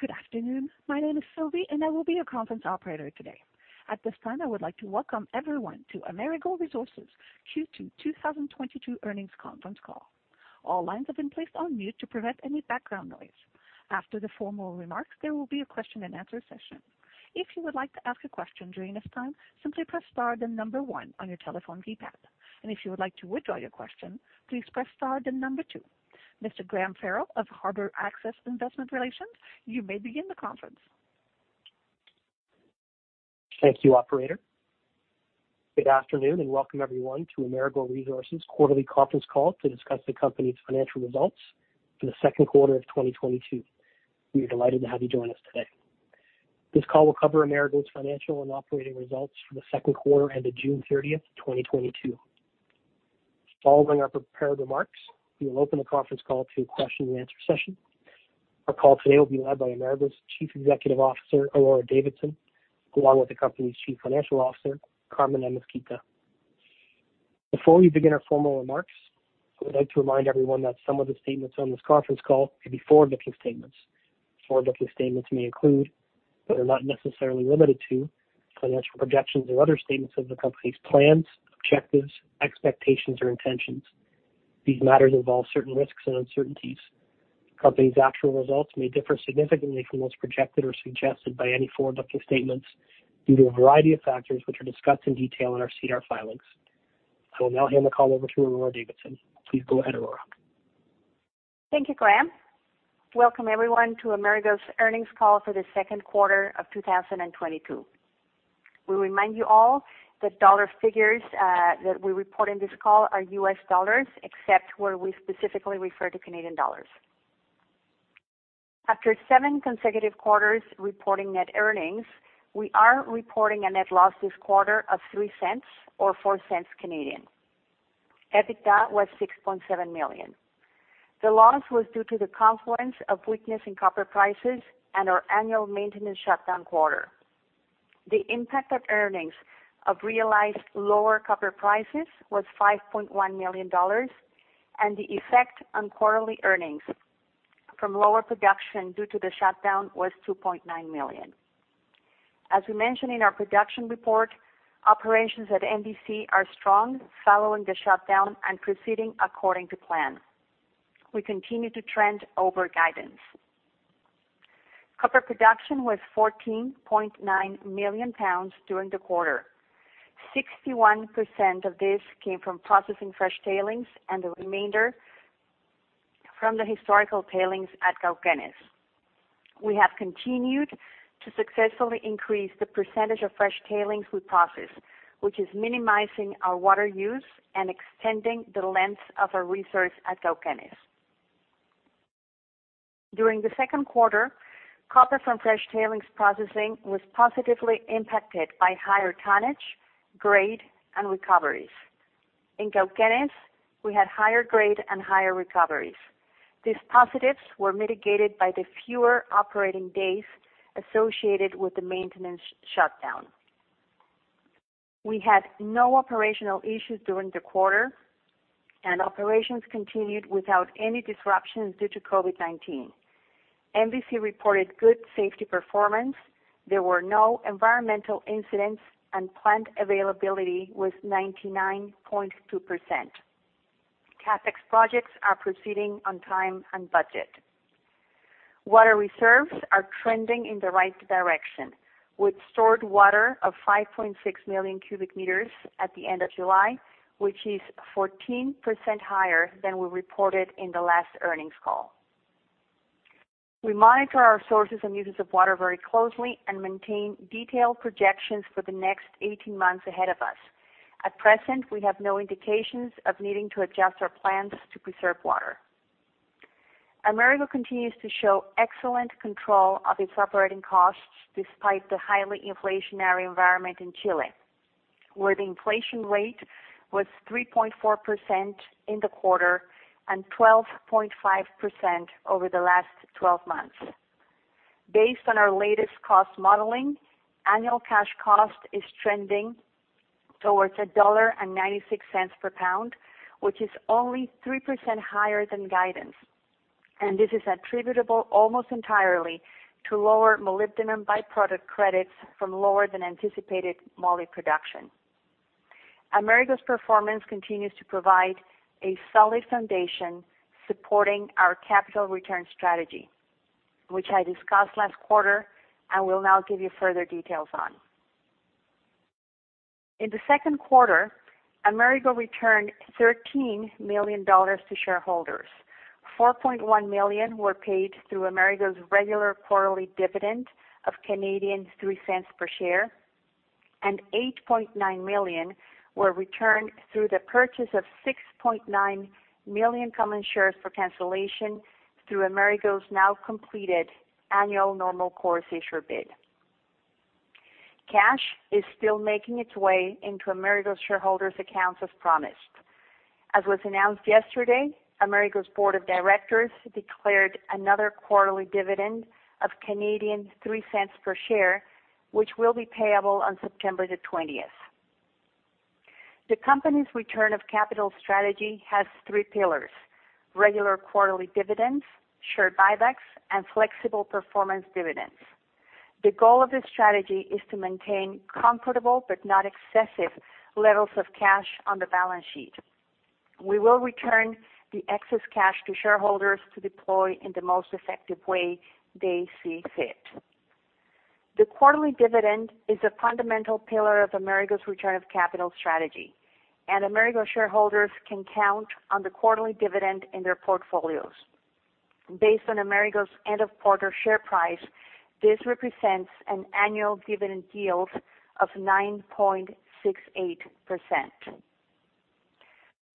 Good afternoon. My name is Sylvie, and I will be your conference operator today. At this time, I would like to welcome everyone to Amerigo Resources Q2 2022 earnings conference call. All lines have been placed on mute to prevent any background noise. After the formal remarks, there will be a question-and-answer session. If you would like to ask a question during this time, simply press star then number one on your telephone keypad. If you would like to withdraw your question, please press star then number two. Mr. Graham Farrell of Harbor Access Investment Relations, you may begin the conference. Thank you, operator. Good afternoon, and welcome everyone to Amerigo Resources quarterly conference call to discuss the company's financial results for the 2nd quarter of 2022. We are delighted to have you join us today. This call will cover Amerigo's financial and operating results for the 2nd quarter ended June 30th, 2022. Following our prepared remarks, we will open the conference call to a question-and-answer session. Our call today will be led by Amerigo's Chief Executive Officer, Aurora Davidson, along with the company's Chief Financial Officer, Carmen Amezquita. Before we begin our formal remarks, I would like to remind everyone that some of the statements on this conference call may be forward-looking statements. Forward-looking statements may include, but are not necessarily limited to, financial projections or other statements of the company's plans, objectives, expectations, or intentions. These matters involve certain risks and uncertainties. Company's actual results may differ significantly from those projected or suggested by any forward-looking statements due to a variety of factors which are discussed in detail in our SEDAR filings. I will now hand the call over to Aurora Davidson. Please go ahead, Aurora. Thank you, Graham. Welcome everyone to Amerigo's earnings call for the 2nd quarter of 2022. We remind you all that dollar figures that we report in this call are US dollars, except where we specifically refer to Canadian dollars. After 7 consecutive quarters reporting net earnings, we are reporting a net loss this quarter of $0.03 or 0.04. EBITDA was $6.7 million. The loss was due to the confluence of weakness in copper prices and our annual maintenance shutdown quarter. The impact on earnings of realized lower copper prices was $5.1 million, and the effect on quarterly earnings from lower production due to the shutdown was $2.9 million. As we mentioned in our production report, operations at MVC are strong following the shutdown and proceeding according to plan. We continue to trend over guidance. Copper production was 14.9 million pounds during the quarter. 61% of this came from processing fresh tailings and the remainder from the historical tailings at Cauquenes. We have continued to successfully increase the percentage of fresh tailings we process, which is minimizing our water use and extending the length of our resource at Cauquenes. During the 2nd quarter, copper from fresh tailings processing was positively impacted by higher tonnage, grade, and recoveries. In Cauquenes, we had higher grade and higher recoveries. These positives were mitigated by the fewer operating days associated with the maintenance shutdown. We had no operational issues during the quarter, and operations continued without any disruptions due to COVID-19. MVC reported good safety performance. There were no environmental incidents, and plant availability was 99.2%. CapEx projects are proceeding on time and budget. Water reserves are trending in the right direction, with stored water of 5.6 million cubic meters at the end of July, which is 14% higher than we reported in the last earnings call. We monitor our sources and uses of water very closely and maintain detailed projections for the next 18 months ahead of us. At present, we have no indications of needing to adjust our plans to preserve water. Amerigo continues to show excellent control of its operating costs despite the highly inflationary environment in Chile, where the inflation rate was 3.4% in the quarter and 12.5% over the last 12 months. Based on our latest cost modeling, annual cash cost is trending towards $1.96 per pound, which is only 3% higher than guidance. This is attributable almost entirely to lower molybdenum by-product credits from lower than anticipated moly production. Amerigo's performance continues to provide a solid foundation supporting our capital return strategy, which I discussed last quarter and will now give you further details on. In the 2nd quarter, Amerigo returned $13 million to shareholders. $4.1 million were paid through Amerigo's regular quarterly dividend of 0.03 per share, and $8.9 million were returned through the purchase of 6.9 million common shares for cancellation through Amerigo's now completed annual normal course issuer bid. Cash is still making its way into Amerigo shareholders' accounts as promised. As was announced yesterday, Amerigo's board of directors declared another quarterly dividend of 0.03 per share, which will be payable on September the twentieth. The company's return of capital strategy has three pillars: regular quarterly dividends, share buybacks, and flexible performance dividends. The goal of this strategy is to maintain comfortable but not excessive levels of cash on the balance sheet. We will return the excess cash to shareholders to deploy in the most effective way they see fit. The quarterly dividend is a fundamental pillar of Amerigo's return of capital strategy, and Amerigo shareholders can count on the quarterly dividend in their portfolios. Based on Amerigo's end of quarter share price, this represents an annual dividend yield of 9.68%.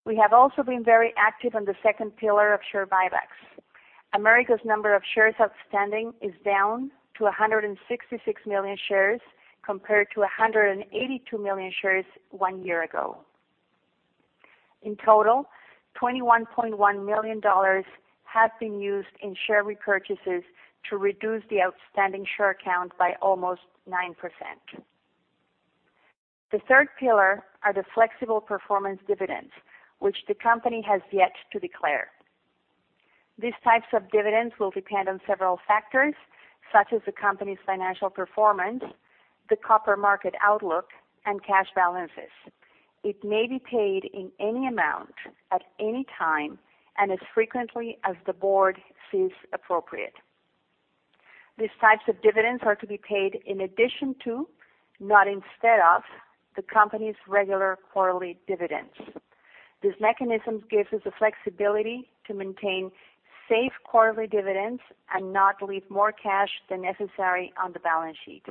We have also been very active on the second pillar of share buybacks. Amerigo's number of shares outstanding is down to 166 million shares compared to 182 million shares 1 year ago. In total, $21.1 million have been used in share repurchases to reduce the outstanding share count by almost 9%. The third pillar are the flexible performance dividends, which the company has yet to declare. These types of dividends will depend on several factors, such as the company's financial performance, the copper market outlook, and cash balances. It may be paid in any amount at any time and as frequently as the board sees appropriate. These types of dividends are to be paid in addition to, not instead of, the company's regular quarterly dividends. This mechanism gives us the flexibility to maintain safe quarterly dividends and not leave more cash than necessary on the balance sheet.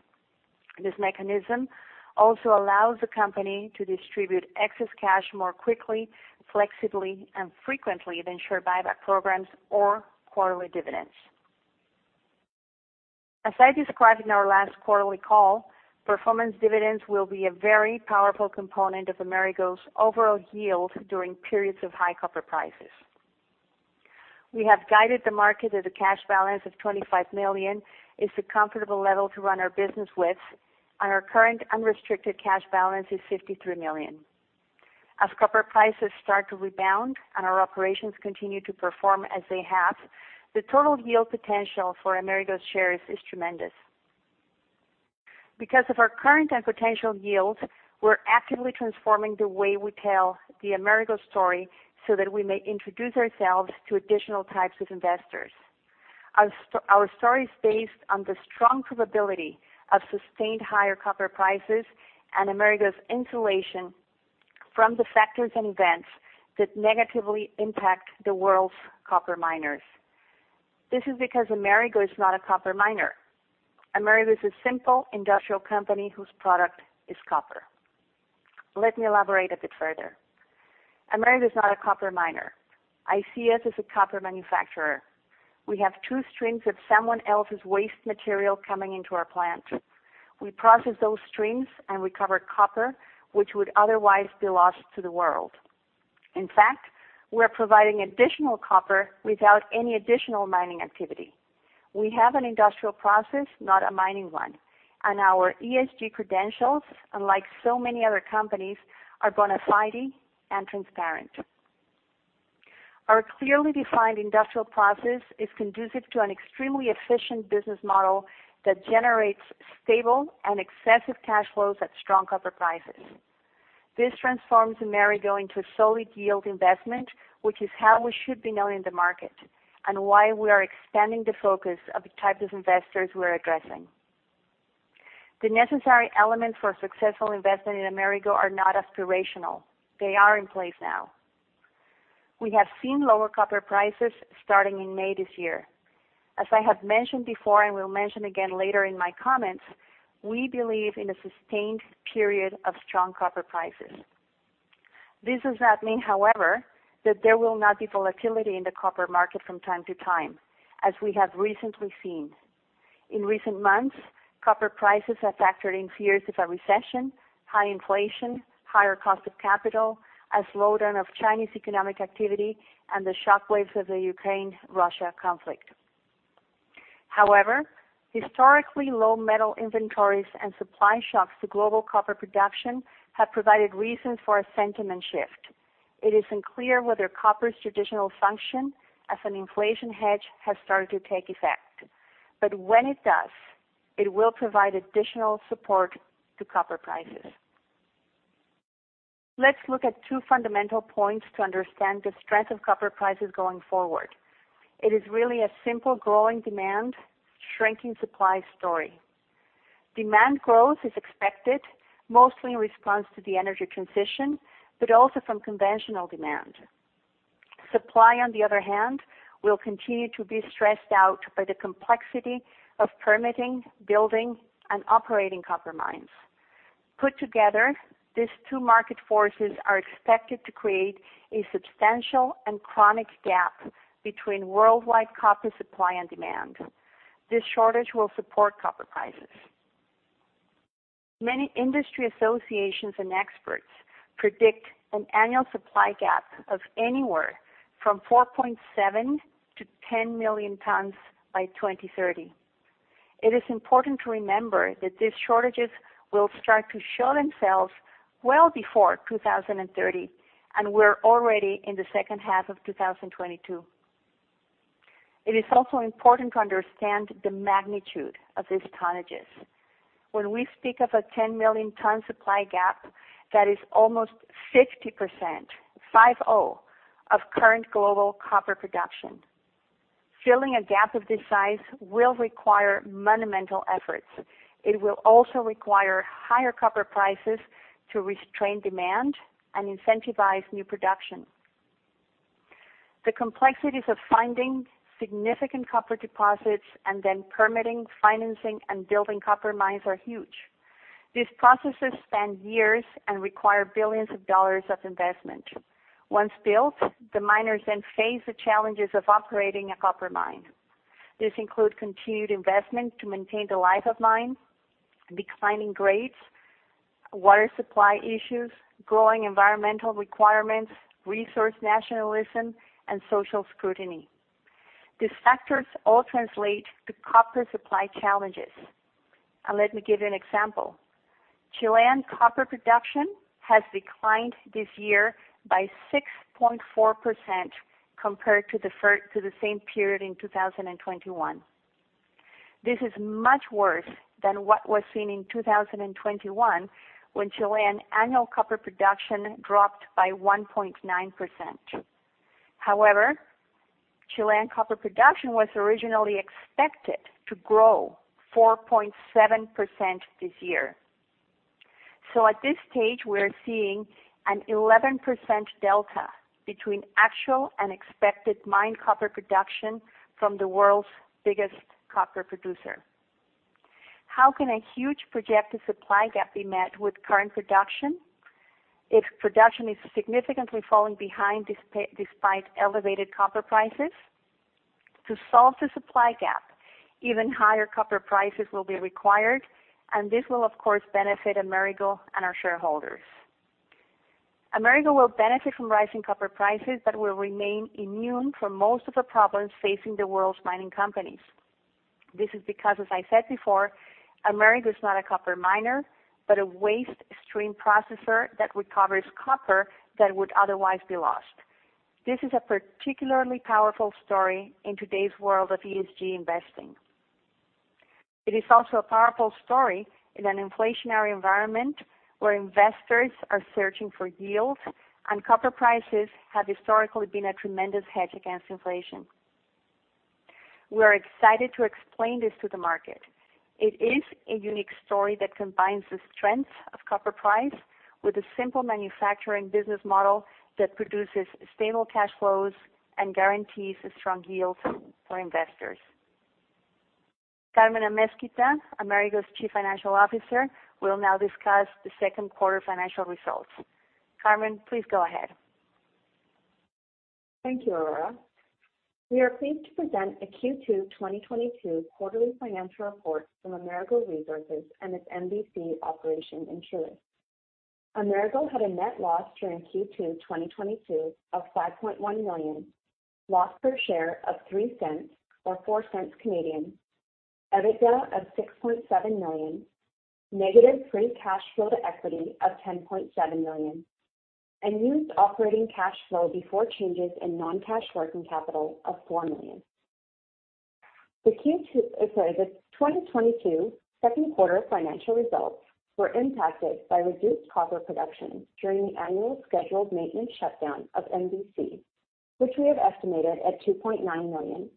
This mechanism also allows the company to distribute excess cash more quickly, flexibly, and frequently than share buyback programs or quarterly dividends. As I described in our last quarterly call, performance dividends will be a very powerful component of Amerigo's overall yield during periods of high copper prices. We have guided the market as a cash balance of $25 million is a comfortable level to run our business with, and our current unrestricted cash balance is $53 million. As copper prices start to rebound and our operations continue to perform as they have, the total yield potential for Amerigo's shares is tremendous. Because of our current and potential yields, we're actively transforming the way we tell the Amerigo story so that we may introduce ourselves to additional types of investors. Our story is based on the strong probability of sustained higher copper prices and Amerigo's insulation from the factors and events that negatively impact the world's copper miners. This is because Amerigo is not a copper miner. Amerigo is a simple industrial company whose product is copper. Let me elaborate a bit further. Amerigo is not a copper miner. I see us as a copper manufacturer. We have two streams of someone else's waste material coming into our plant. We process those streams and recover copper, which would otherwise be lost to the world. In fact, we're providing additional copper without any additional mining activity. We have an industrial process, not a mining one, and our ESG credentials, unlike so many other companies, are bona fide and transparent. Our clearly defined industrial process is conducive to an extremely efficient business model that generates stable and excessive cash flows at strong copper prices. This transforms Amerigo into a solid yield investment, which is how we should be known in the market and why we are expanding the focus of the types of investors we're addressing. The necessary elements for a successful investment in Amerigo are not aspirational. They are in place now. We have seen lower copper prices starting in May this year. As I have mentioned before and will mention again later in my comments, we believe in a sustained period of strong copper prices. This does not mean, however, that there will not be volatility in the copper market from time to time, as we have recently seen. In recent months, copper prices have factored in fears of a recession, high inflation, higher cost of capital, a slowdown of Chinese economic activity, and the shock waves of the Ukraine-Russia conflict. However, historically low metal inventories and supply shocks to global copper production have provided reason for a sentiment shift. It is unclear whether copper's traditional function as an inflation hedge has started to take effect. When it does, it will provide additional support to copper prices. Let's look at two fundamental points to understand the strength of copper prices going forward. It is really a simple growing demand, shrinking supply story. Demand growth is expected mostly in response to the energy transition, but also from conventional demand. Supply, on the other hand, will continue to be stressed out by the complexity of permitting, building, and operating copper mines. Put together, these two market forces are expected to create a substantial and chronic gap between worldwide copper supply and demand. This shortage will support copper prices. Many industry associations and experts predict an annual supply gap of anywhere from 4.7-10 million tons by 2030. It is important to remember that these shortages will start to show themselves well before 2030, and we're already in the second half of 2022. It is also important to understand the magnitude of these tonnages. When we speak of a 10 million ton supply gap, that is almost 50%, 50, of current global copper production. Filling a gap of this size will require monumental efforts. It will also require higher copper prices to restrain demand and incentivize new production. The complexities of finding significant copper deposits and then permitting, financing, and building copper mines are huge. These processes span years and require billions of dollars of investment. Once built, the miners then face the challenges of operating a copper mine. This include continued investment to maintain the life of mine, declining grades, water supply issues, growing environmental requirements, resource nationalism, and social scrutiny. These factors all translate to copper supply challenges. Let me give you an example. Chilean copper production has declined this year by 6.4% compared to the same period in 2021. This is much worse than what was seen in 2021, when Chilean annual copper production dropped by 1.9%. However, Chilean copper production was originally expected to grow 4.7% this year. At this stage, we are seeing an 11% delta between actual and expected mined copper production from the world's biggest copper producer. How can a huge projected supply gap be met with current production if production is significantly falling behind despite elevated copper prices? To solve the supply gap, even higher copper prices will be required, and this will of course benefit Amerigo and our shareholders. Amerigo will benefit from rising copper prices but will remain immune from most of the problems facing the world's mining companies. This is because, as I said before, Amerigo is not a copper miner, but a waste stream processor that recovers copper that would otherwise be lost. This is a particularly powerful story in today's world of ESG investing. It is also a powerful story in an inflationary environment where investors are searching for yield and copper prices have historically been a tremendous hedge against inflation. We are excited to explain this to the market. It is a unique story that combines the strengths of copper price with a simple manufacturing business model that produces stable cash flows and guarantees a strong yield for investors. Carmen Amezquita, Amerigo's Chief Financial Officer, will now discuss the 2nd quarter financial results. Carmen, please go ahead. Thank you, Aurora. We are pleased to present a Q2 2022 quarterly financial report from Amerigo Resources and its MVC operation in Chile. Amerigo had a net loss during Q2 2022 of $5.1 million. Loss per share of $0.03 or 0.04. EBITDA of $6.7 million. Negative free cash flow to equity of $10.7 million. Used operating cash flow before changes in non-cash working capital of $4 million. The 2022 2nd quarter financial results were impacted by reduced copper production during the annual scheduled maintenance shutdown of MVC, which we have estimated at $2.9 million,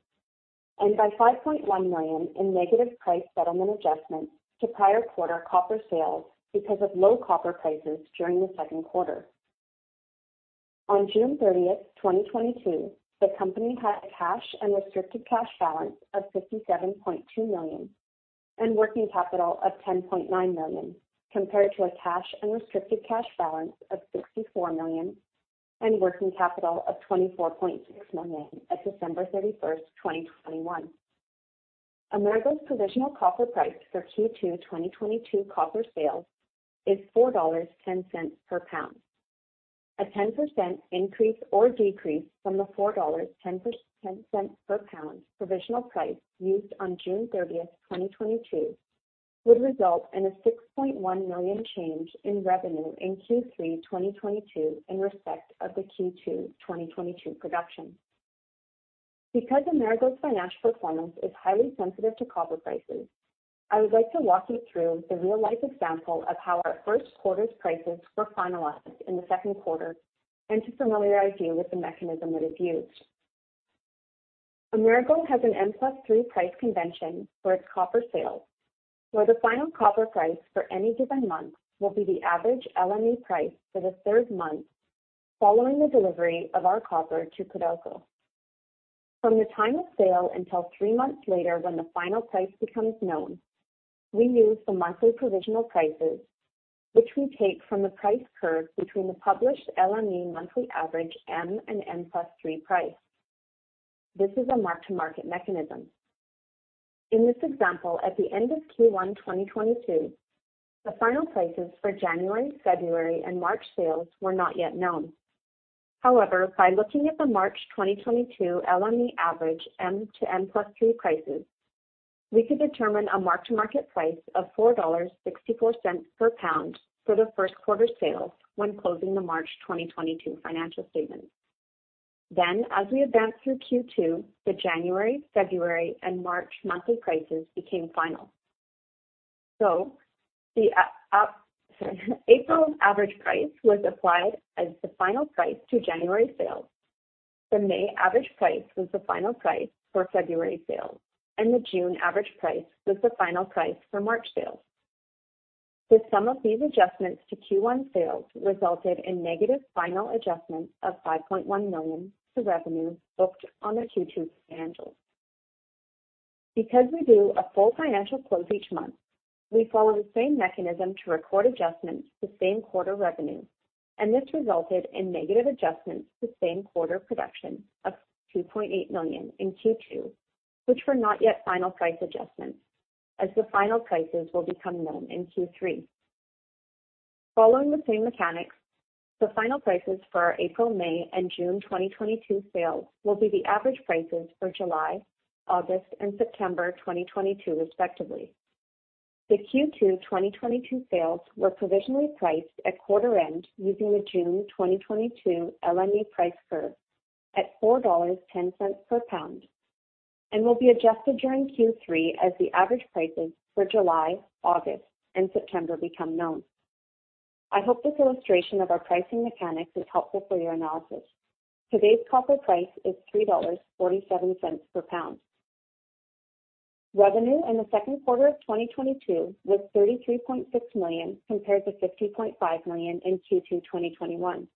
and by $5.1 million in negative price settlement adjustments to prior quarter copper sales because of low copper prices during the 2nd quarter. On June thirtieth, 2022, the company had cash and restricted cash balance of $57.2 million and working capital of $10.9 million, compared to a cash and restricted cash balance of $64 million and working capital of $24.6 million at December 31st, 2021. Amerigo's provisional copper price for Q2 2022 copper sales is $4.10 per pound. A 10% increase or decrease from the $4.10 per pound provisional price used on June 30th, 2022, would result in a $6.1 million change in revenue in Q3 2022 in respect of the Q2 2022 production. Because Amerigo's financial performance is highly sensitive to copper prices, I would like to walk you through the real-life example of how our 1st quarter's prices were finalized in the 2nd quarter and to familiarize you with the mechanism that is used. Amerigo has an M+3 price convention for its copper sales, where the final copper price for any given month will be the average LME price for the 3rd month following the delivery of our copper to Codelco. From the time of sale until 3 months later when the final price becomes known, we use the monthly provisional prices, which we take from the price curve between the published LME monthly average M and M+3 price. This is a mark-to-market mechanism. In this example, at the end of Q1 2022, the final prices for January, February, and March sales were not yet known. However, by looking at the March 2022 LME average M and M+3 prices, we could determine a mark-to-market price of $4.64 per pound for the 1st quarter sales when closing the March 2022 financial statements. As we advanced through Q2, the January, February, and March monthly prices became final. April's average price was applied as the final price to January sales. The May average price was the final price for February sales, and the June average price was the final price for March sales. The sum of these adjustments to Q1 sales resulted in negative final adjustments of $5.1 million to revenue booked on the Q2 financials. Because we do a full financial close each month, we follow the same mechanism to record adjustments to same-quarter revenue, and this resulted in negative adjustments to same-quarter production of $2.8 million in Q2, which were not yet final price adjustments as the final prices will become known in Q3. Following the same mechanics, the final prices for our April, May, and June 2022 sales will be the average prices for July, August, and September 2022, respectively. The Q2 2022 sales were provisionally priced at quarter end using the June 2022 LME price curve at $4.10 per pound and will be adjusted during Q3 as the average prices for July, August, and September become known. I hope this illustration of our pricing mechanics is helpful for your analysis. Today's copper price is $3.47 per pound. Revenue in the 2nd quarter of 2022 was $33.6 million, compared to $50.5 million in Q2 2021.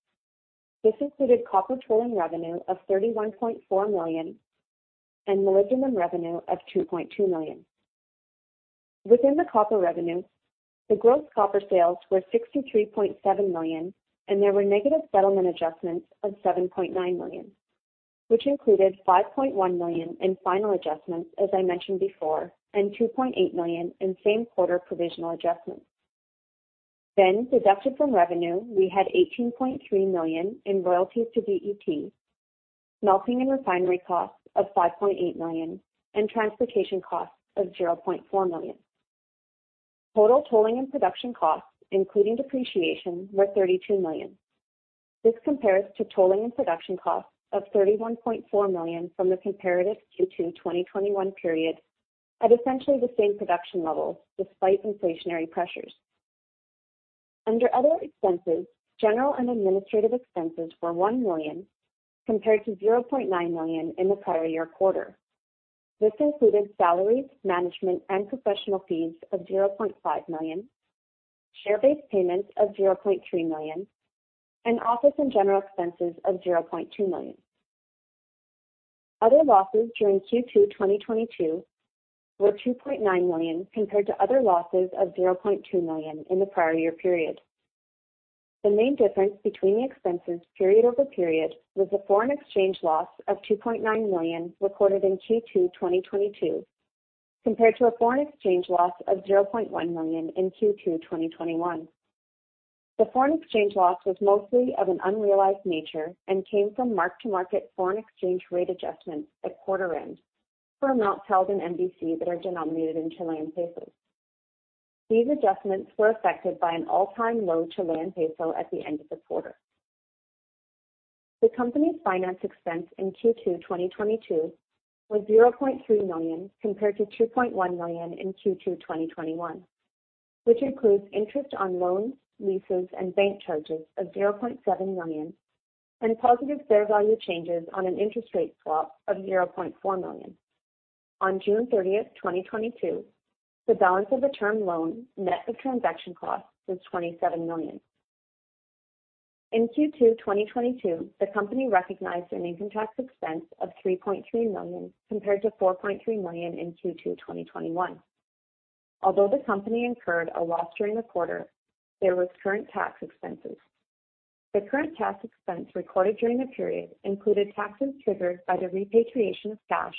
This included copper tolling revenue of $31.4 million and molybdenum revenue of $2.2 million. Within the copper revenue, the gross copper sales were $63.7 million, and there were negative settlement adjustments of $7.9 million, which included $5.1 million in final adjustments, as I mentioned before, and $2.8 million in same-quarter provisional adjustments. Deducted from revenue, we had $18.3 million in royalties to DET, smelting and refinery costs of $5.8 million, and transportation costs of $0.4 million. Total tolling and production costs, including depreciation, were $32 million. This compares to tolling and production costs of $31.4 million from the comparative Q2 2021 period at essentially the same production levels despite inflationary pressures. Under other expenses, general and administrative expenses were $1 million, compared to $0.9 million in the prior year quarter. This included salaries, management, and professional fees of $0.5 million, share-based payments of $0.3 million, and office and general expenses of $0.2 million. Other losses during Q2 2022 were $2.9 million, compared to other losses of $0.2 million in the prior year period. The main difference between the expenses period-over-period was a foreign exchange loss of $2.9 million recorded in Q2 2022, compared to a foreign exchange loss of $0.1 million in Q2 2021. The foreign exchange loss was mostly of an unrealized nature and came from mark-to-market foreign exchange rate adjustments at quarter end for amounts held in MVC that are denominated in Chilean pesos. These adjustments were affected by an all-time low Chilean peso at the end of the quarter. The company's finance expense in Q2 2022 was $0.3 million, compared to $2.1 million in Q2 2021, which includes interest on loans, leases, and bank charges of $0.7 million and positive fair value changes on an interest rate swap of $0.4 million. On June 30th, 2022, the balance of the term loan net of transaction costs was $27 million. In Q2 2022, the company recognized an income tax expense of $3.3 million, compared to $4.3 million in Q2 2021. Although the company incurred a loss during the quarter, there was current tax expenses. The current tax expense recorded during the period included taxes triggered by the repatriation of cash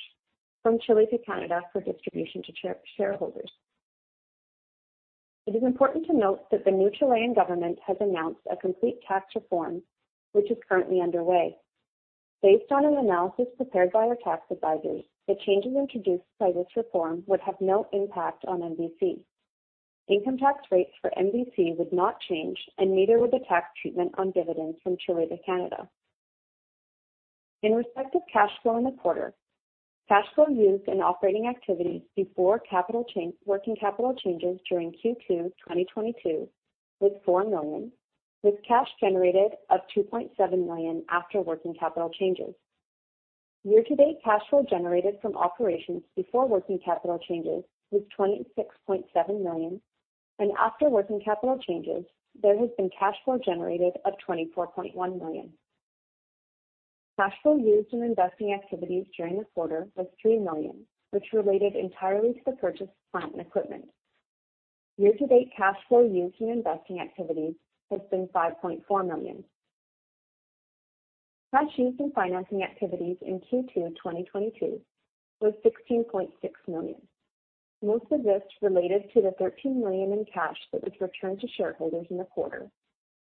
from Chile to Canada for distribution to shareholders. It is important to note that the new Chilean government has announced a complete tax reform, which is currently underway. Based on an analysis prepared by our tax advisors, the changes introduced by this reform would have no impact on MBC. Income tax rates for MBC would not change, and neither would the tax treatment on dividends from Chile to Canada. In respect of cash flow in the quarter, cash flow used in operating activities before working capital changes during Q2 2022 was $4 million, with cash generated of $2.7 million after working capital changes. Year-to-date cash flow generated from operations before working capital changes was $26.7 million, and after working capital changes, there has been cash flow generated of $24.1 million. Cash flow used in investing activities during the quarter was $3 million, which related entirely to the purchase of plant and equipment. Year-to-date cash flow used in investing activities has been $5.4 million. Cash used in financing activities in Q2 2022 was $16.6 million. Most of this related to the $13 million in cash that was returned to shareholders in the quarter,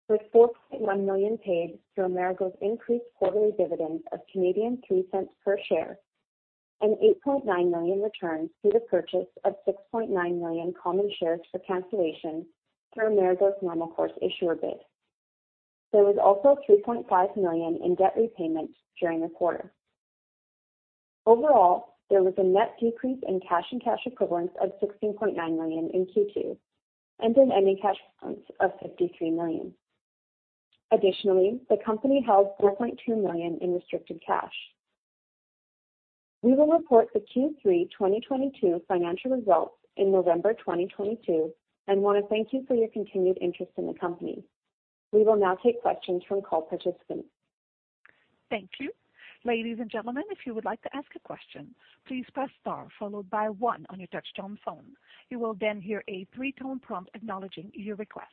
with $4.1 million paid through Amerigo's increased quarterly dividend of 0.02 per share and $8.9 million returned through the purchase of 6.9 million common shares for cancellation through Amerigo's normal course issuer bid. There was also $3.5 million in debt repayment during the quarter. Overall, there was a net decrease in cash and cash equivalents of $16.9 million in Q2 and an ending cash balance of $53 million. Additionally, the company held $4.2 million in restricted cash. We will report the Q3 2022 financial results in November 2022 and wanna thank you for your continued interest in the company. We will now take questions from call participants. Thank you. Ladies and gentlemen, if you would like to ask a question, please press star followed by one on your touchtone phone. You will then hear a three-tone prompt acknowledging your request.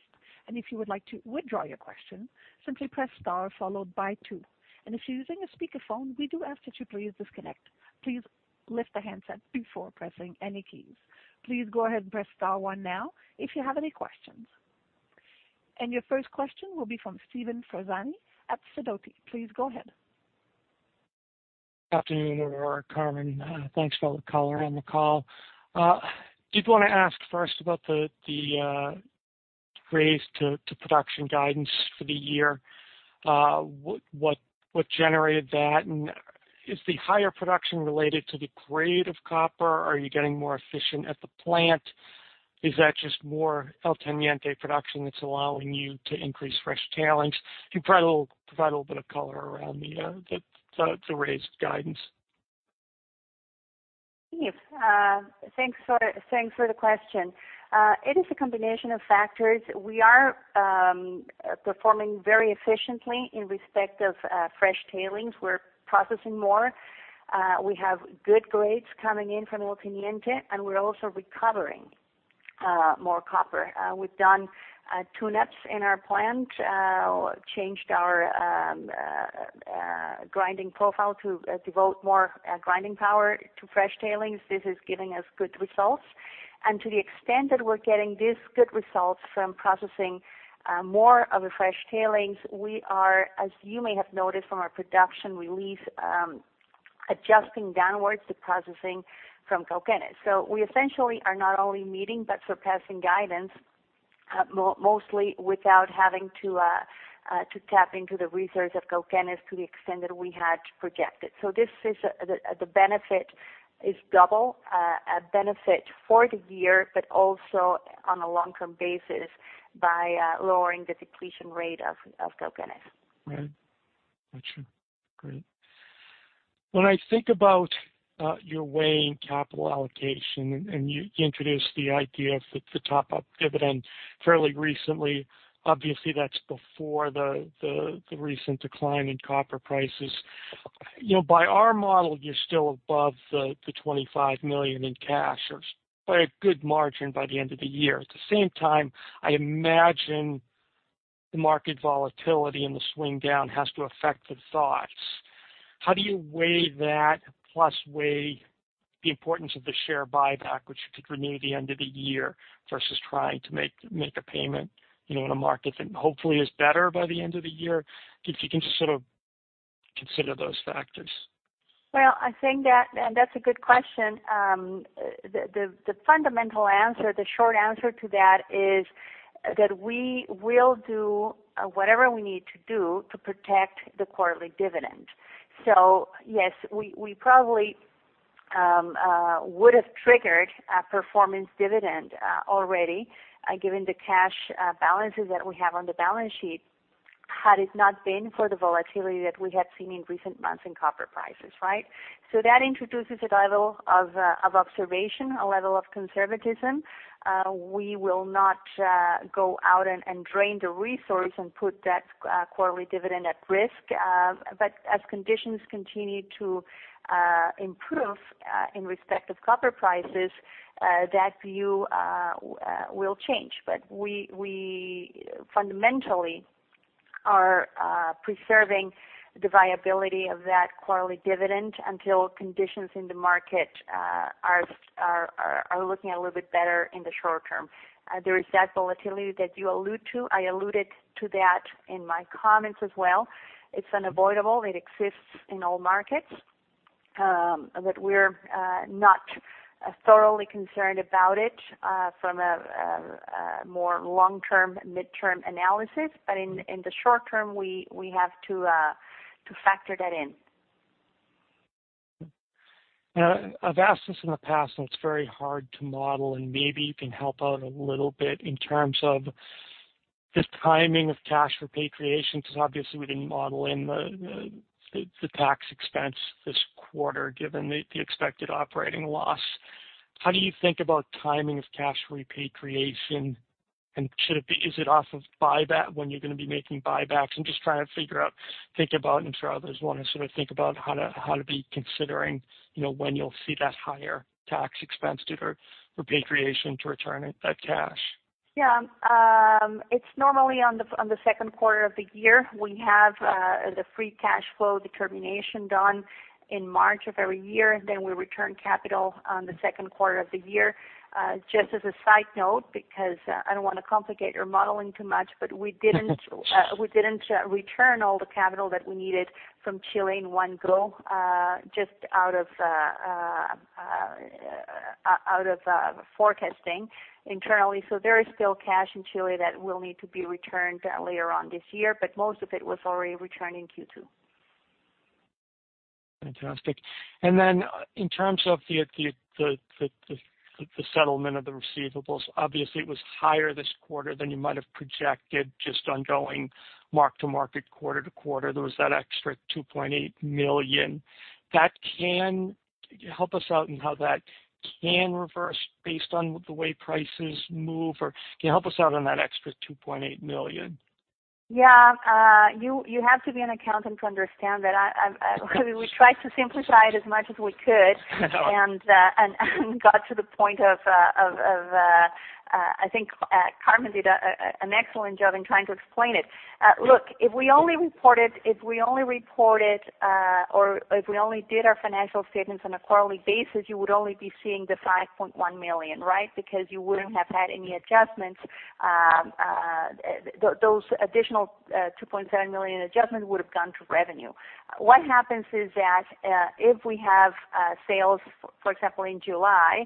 If you would like to withdraw your question, simply press star followed by two. If you're using a speakerphone, we do ask that you please disconnect. Please lift the handset before pressing any keys. Please go ahead and press star one now if you have any questions. Your first question will be from Steven Ferazani at Sidoti. Please go ahead. Afternoon, Aurora, Carmen. Thanks for the color on the call. Did wanna ask first about the raise to production guidance for the year. What generated that? Is the higher production related to the grade of copper? Are you getting more efficient at the plant? Is that just more El Teniente production that's allowing you to increase fresh tailings? Can you provide a little bit of color around the raised guidance? Steve, thanks for the question. It is a combination of factors. We are performing very efficiently in respect of fresh tailings. We're processing more. We have good grades coming in from El Teniente, and we're also recovering more copper. We've done tune-ups in our plant, changed our grinding profile to devote more grinding power to fresh tailings. This is giving us good results. To the extent that we're getting these good results from processing more of the fresh tailings, we are, as you may have noticed from our production release, adjusting downwards the processing from Cauquenes. We essentially are not only meeting, but surpassing guidance, mostly without having to tap into the resource of Cauquenes to the extent that we had projected. The benefit is double, a benefit for the year, but also on a long-term basis by lowering the depletion rate of Cauquenes. Right. Got you. Great. When I think about your weighing capital allocation and you introduced the idea of the top-up dividend fairly recently, obviously that's before the recent decline in copper prices. You know, by our model, you're still above the $25 million in cash or by a good margin by the end of the year. At the same time, I imagine the market volatility and the swing down has to affect the thoughts. How do you weigh that plus weigh the importance of the share buyback, which could renew the end of the year versus trying to make a payment, you know, in a market that hopefully is better by the end of the year? If you can just sort of consider those factors. Well, I think that's a good question. The fundamental answer, the short answer to that is that we will do whatever we need to do to protect the quarterly dividend. Yes, we probably would have triggered a performance dividend already, given the cash balances that we have on the balance sheet had it not been for the volatility that we had seen in recent months in copper prices, right? That introduces a level of observation, a level of conservatism. We will not go out and drain the resource and put that quarterly dividend at risk. As conditions continue to improve in respect of copper prices, that view will change. We fundamentally are preserving the viability of that quarterly dividend until conditions in the market are looking a little bit better in the short term. There is that volatility that you allude to. I alluded to that in my comments as well. It's unavoidable. It exists in all markets, but we're not thoroughly concerned about it from a more long-term, midterm analysis. In the short term, we have to factor that in. Now, I've asked this in the past, and it's very hard to model, and maybe you can help out a little bit in terms of this timing of cash repatriation because obviously we didn't model in the tax expense this quarter given the expected operating loss. How do you think about timing of cash repatriation? Should it be, is it off of buyback when you're gonna be making buybacks? I'm just trying to figure out, think about, and I'm sure others wanna sort of think about how to be considering, you know, when you'll see that higher tax expense due to repatriation to return it, that cash. Yeah. It's normally on the 2nd quarter of the year. We have the free cash flow determination done in March of every year, then we return capital on the 2nd quarter of the year. Just as a side note, because I don't wanna complicate your modeling too much, but we didn't return all the capital that we needed from Chile in one go, just out of forecasting internally. There is still cash in Chile that will need to be returned later on this year, but most of it was already returned in Q2. Fantastic. In terms of the settlement of the receivables, obviously it was higher this quarter than you might have projected just on ongoing mark-to-market, quarter to quarter. There was that extra $2.8 million. That can help us out in how that can reverse based on the way prices move or can you help us out on that extra $2.8 million? Yeah. You have to be an accountant to understand that. We tried to simplify it as much as we could. I know. I think Carmen did an excellent job in trying to explain it. Look, if we only reported or if we only did our financial statements on a quarterly basis, you would only be seeing the $5.1 million, right? Because you wouldn't have had any adjustments, those additional $2.7 million adjustment would have gone to revenue. What happens is that if we have sales, for example, in July,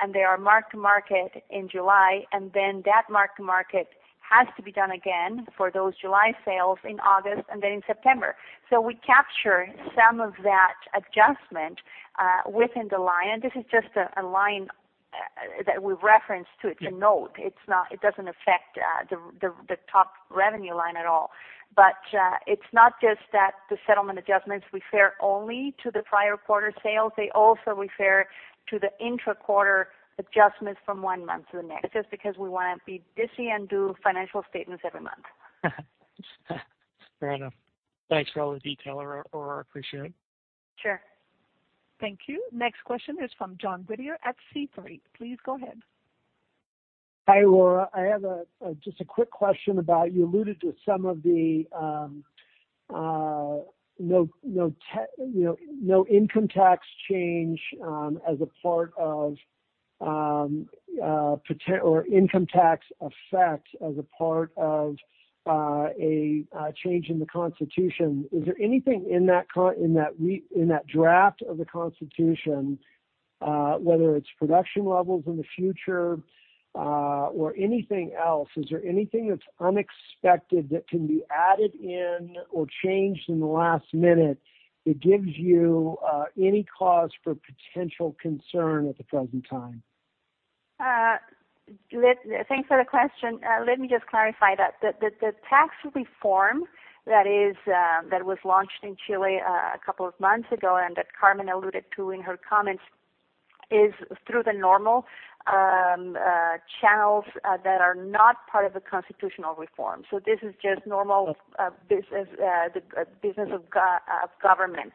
and they are mark-to-market in July, and then that mark-to-market has to be done again for those July sales in August and then in September. We capture some of that adjustment within the line. This is just a line that we reference to. It's a note. It's not, it doesn't affect the top revenue line at all. It's not just that the settlement adjustments refer only to the prior quarter sales. They also refer to the intra-quarter adjustments from one month to the next. It's just because we wanna be busy and do financial statements every month. Fair enough. Thanks for all the detail, Aurora. Appreciate it. Sure. Thank you. Next question is from John Whittier at C3.ai. Please go ahead. Hi, Aurora. I have just a quick question about, you alluded to some of the income tax change or income tax effect as a part of a change in the Constitution. Is there anything in that draft of the Constitution, whether it's production levels in the future or anything else, is there anything that's unexpected that can be added in or changed in the last minute that gives you any cause for potential concern at the present time? Thanks for the question. Let me just clarify that. The tax reform that was launched in Chile a couple of months ago, and that Carmen alluded to in her comments, is through the normal channels that are not part of the constitutional reform. This is just normal business, the business of government,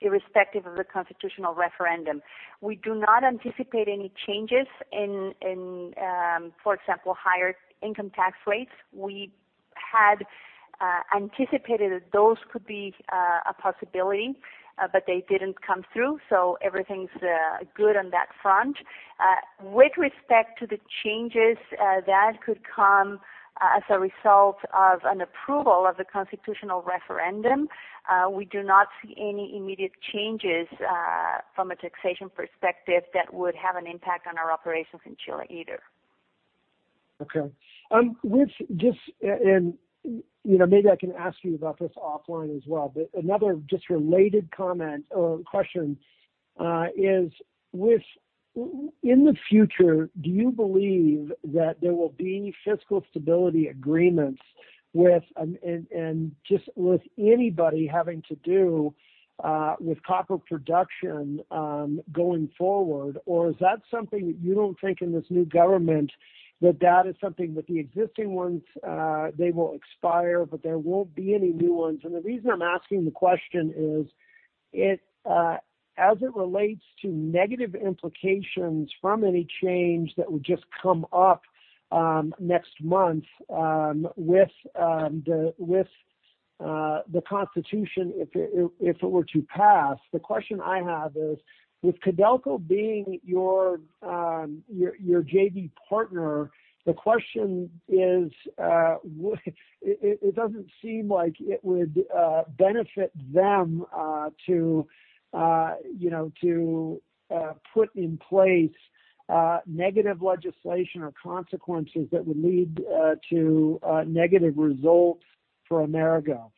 irrespective of the constitutional referendum. We do not anticipate any changes in, for example, higher income tax rates. We had anticipated that those could be a possibility, but they didn't come through, so everything's good on that front. With respect to the changes that could come as a result of an approval of the constitutional referendum, we do not see any immediate changes from a taxation perspective that would have an impact on our operations in Chile either. Okay. With just and you know, maybe I can ask you about this offline as well, but another just related comment or question is in the future, do you believe that there will be fiscal stability agreements with and just with anybody having to do with copper production going forward? Or is that something that you don't think in this new government that is something that the existing ones they will expire, but there won't be any new ones? The reason I'm asking the question is it as it relates to negative implications from any change that would just come up next month with the Constitution, if it were to pass. The question I have is, with Codelco being your JV partner, the question is, it doesn't seem like it would benefit them to you know to put in place negative legislation or consequences that would lead to negative results for Amerigo.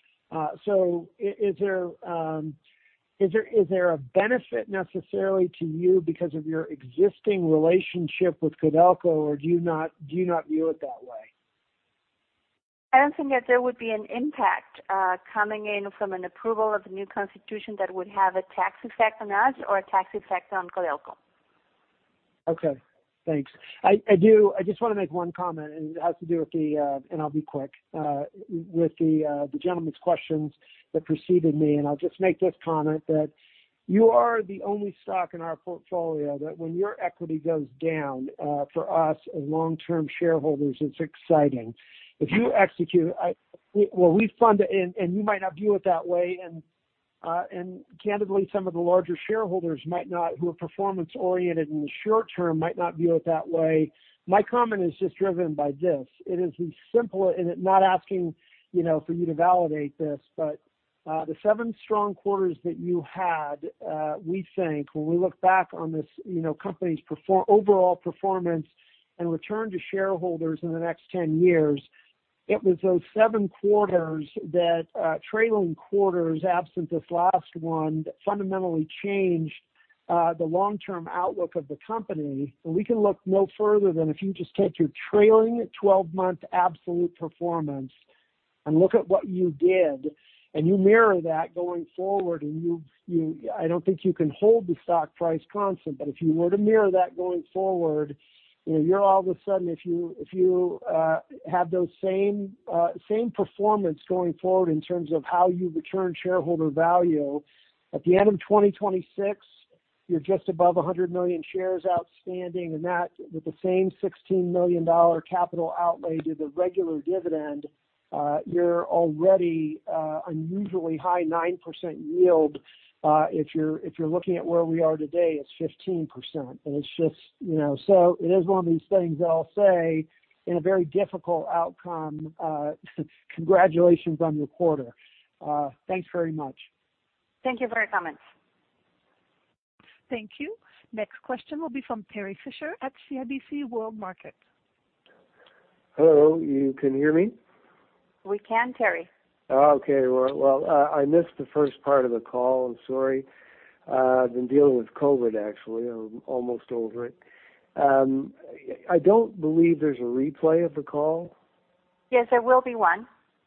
So is there a benefit necessarily to you because of your existing relationship with Codelco, or do you not view it that way? I don't think that there would be an impact, coming in from an approval of the new constitution that would have a tax effect on us or a tax effect on Codelco. Okay, thanks. I do just wanna make one comment, and I'll be quick with the gentleman's questions that preceded me, and I'll just make this comment that you are the only stock in our portfolio that when your equity goes down, for us as long-term shareholders, it's exciting. If you execute, well, we fund it and you might not view it that way. Candidly, some of the larger shareholders might not, who are performance oriented in the short term might not view it that way. My comment is just driven by this. It is as simple, and I'm not asking, you know, for you to validate this, but the 7 strong quarters that you had. We think when we look back on this, you know, company's overall performance and return to shareholders in the next 10 years, it was those 7 quarters, trailing quarters absent this last one, that fundamentally changed the long-term outlook of the company. We can look no further than if you just take your trailing 12-month absolute performance and look at what you did, and you. I don't think you can hold the stock price constant. If you were to mirror that going forward, you know, you're all of a sudden, if you have those same performance going forward in terms of how you return shareholder value, at the end of 2026, you're just above 100 million shares outstanding. That, with the same $16 million capital outlay, do the regular dividend, your already unusually high 9% yield, if you're looking at where we are today, it's 15%. It's just, you know. It is one of these things I'll say in a very difficult outcome, congratulations on your quarter. Thanks very much. Thank you for your comments. Thank you. Next question will be from Terrence Fisher at CIBC World Markets. Hello, you can hear me? We can, Terrence. Okay. Well, I missed the first part of the call. I'm sorry. I've been dealing with COVID, actually. I'm almost over it. I don't believe there's a replay of the call. Yes, there will be one.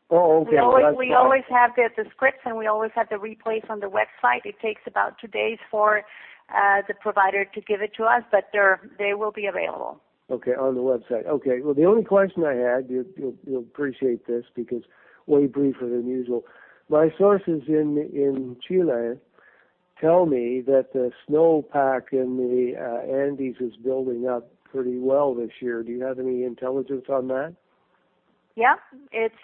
Oh, okay. We always have the scripts, and we always have the replays on the website. It takes about 2 days for the provider to give it to us, but they will be available. Okay, on the website. Okay. Well, the only question I had, you'll appreciate this because way briefer than usual. My sources in Chile tell me that the snowpack in the Andes is building up pretty well this year. Do you have any intelligence on that? Yeah. It's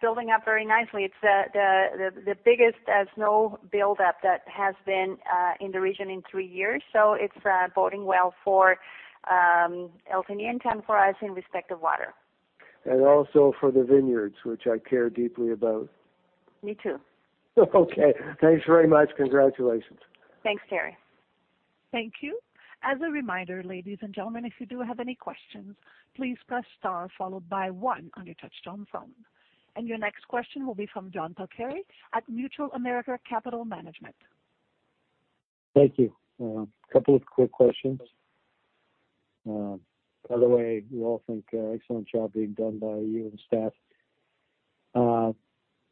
building up very nicely. It's the biggest snow buildup that has been in the region in 3 years. It's boding well for El Niño and time for us in respect of water. Also for the vineyards, which I care deeply about. Me too. Okay. Thanks very much. Congratulations. Thanks, Terrence. Thank you. As a reminder, ladies and gentlemen, if you do have any questions, please press star followed by one on your touchtone phone. Your next question will be from John Polcari at Mutual of America Capital Management. Thank you. A couple of quick questions. By the way, we all think it's an excellent job being done by you and staff.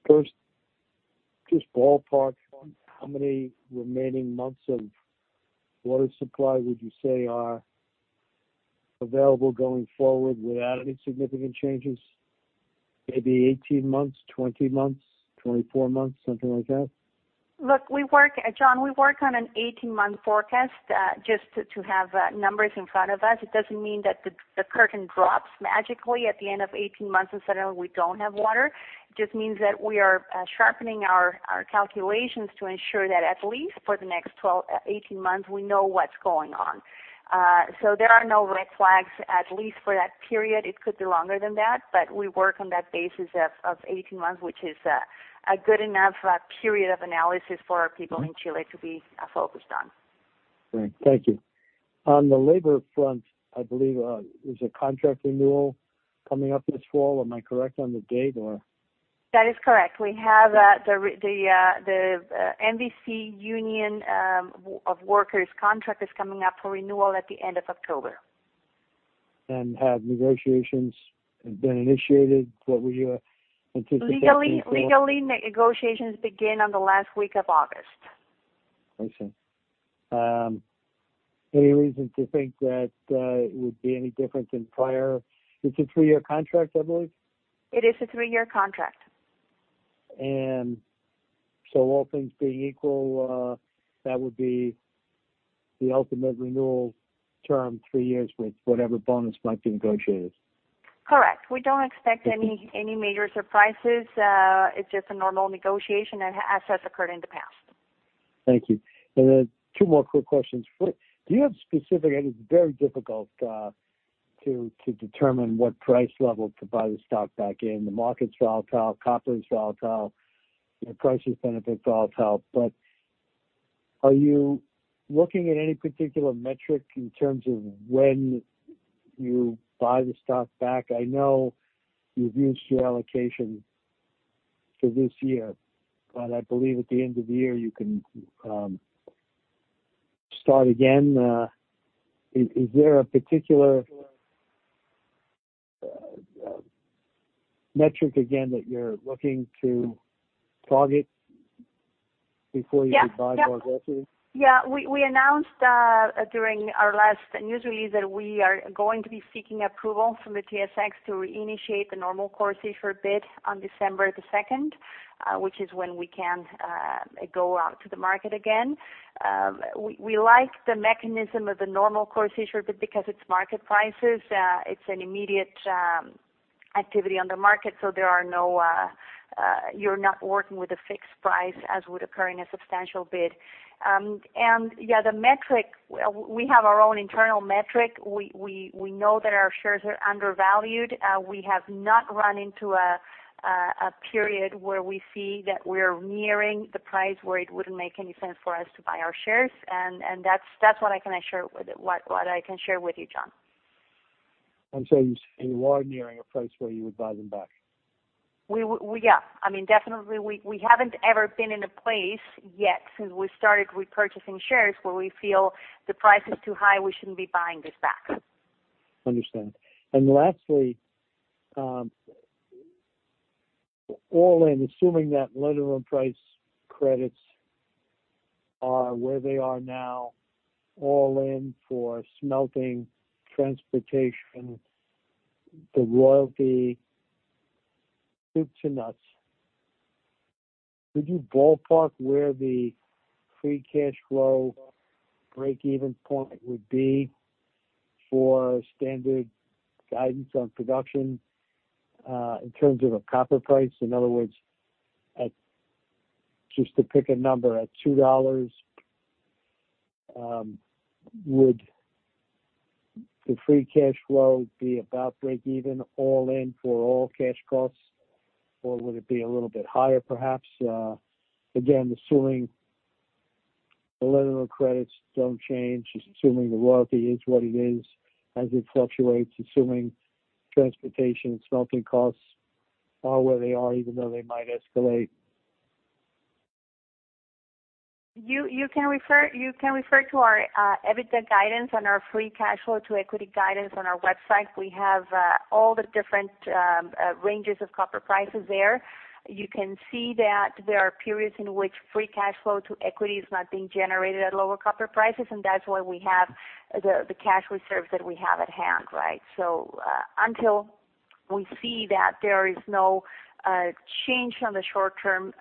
First, just ballpark on how many remaining months of water supply would you say are available going forward without any significant changes? Maybe 18 months, 20 months, 24 months, something like that? Look, John, we work on an 18 months forecast just to have numbers in front of us. It doesn't mean that the curtain drops magically at the end of 18 months and suddenly we don't have water. It just means that we are sharpening our calculations to ensure that at least for the next 12-18 months, we know what's going on. There are no red flags, at least for that period. It could be longer than that, but we work on that basis of 18 months, which is a good enough period of analysis for our people in Chile to be focused on. Great. Thank you. On the labor front, I believe, there's a contract renewal coming up this fall. Am I correct on the date or? That is correct. We have the MVC Union of Workers contract is coming up for renewal at the end of October. Have negotiations been initiated? What were your anticipations for? Legally, negotiations begin on the last week of August. I see. Any reason to think that it would be any different than prior? It's a 3 year contract, I believe. It is a 3 year contract. All things being equal, that would be the ultimate renewal term, 3 years with whatever bonus might be negotiated. Correct. We don't expect any major surprises. It's just a normal negotiation as has occurred in the past. Thank you. Two more quick questions. First, do you have specific, I know it's very difficult to determine what price level to buy the stock back in. The market's volatile, copper is volatile, your price of copper is volatile. Are you looking at any particular metric in terms of when you buy the stock back? I know you've used your allocation for this year, but I believe at the end of the year, you can start again. Is there a particular metric again that you're looking to target before you can buy more aggressively. Yeah. We announced during our last news release that we are going to be seeking approval from the TSX to reinitiate the normal course issuer bid on December 2nd, which is when we can go out to the market again. We like the mechanism of the normal course issuer bid, but because it's market prices, it's an immediate activity on the market. You're not working with a fixed price as would occur in a substantial issuer bid. Yeah, the metric. We have our own internal metric. We know that our shares are undervalued. We have not run into a period where we see that we're nearing the price where it wouldn't make any sense for us to buy our shares. That's what I can share with you, John. I'm saying you are nearing a price where you would buy them back. Yeah. I mean, definitely we haven't ever been in a place yet since we started repurchasing shares where we feel the price is too high. We shouldn't be buying this back. Understand. Lastly, all in, assuming that letter on price credits are where they are now, all in for smelting, transportation, the royalty soup to nuts, could you ballpark where the free cash flow break even point would be for standard guidance on production, in terms of a copper price? In other words, just to pick a number, at $2, would the free cash flow be about break even all in for all cash costs, or would it be a little bit higher perhaps? Again, assuming the literal credits don't change, just assuming the royalty is what it is as it fluctuates, assuming transportation, smelting costs are where they are, even though they might escalate. You can refer to our EBITDA guidance and our free cash flow to equity guidance on our website. We have all the different ranges of copper prices there. You can see that there are periods in which free cash flow to equity is not being generated at lower copper prices, and that's why we have the cash reserves that we have at hand, right? Until we see that there is no change on the short-term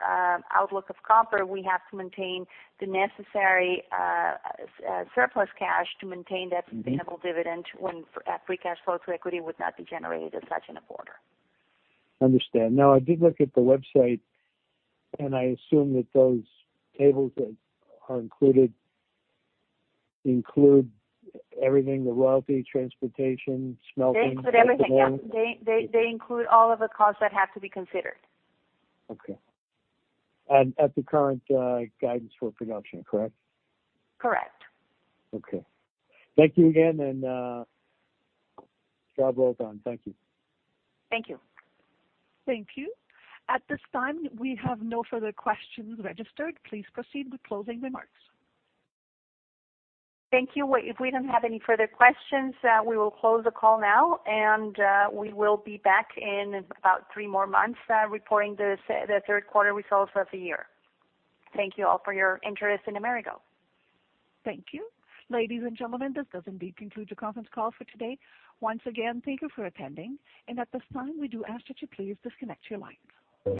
outlook of copper, we have to maintain the necessary surplus cash to maintain that sustainable dividend when free cash flow to equity would not be generated as such in a broader. Understand. Now, I did look at the website, and I assume that those tables that are included include everything, the royalty, transportation, smelting. They include everything, yeah. They include all of the costs that have to be considered. Okay. At the current guidance for production, correct? Correct. Okay. Thank you again, and, job well done. Thank you. Thank you. Thank you. At this time, we have no further questions registered. Please proceed with closing remarks. Thank you. If we don't have any further questions, we will close the call now and, we will be back in about three more months, reporting the 3rd quarter results of the year. Thank you all for your interest in Amerigo. Thank you. Ladies and gentlemen, this does indeed conclude the conference call for today. Once again, thank you for attending. At this time, we do ask that you please disconnect your lines.